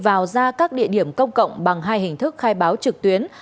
vào ra các địa điểm công cộng bằng hai hình thức khai báo trực tuyến